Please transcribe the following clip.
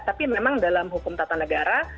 tapi memang dalam hukum tata negara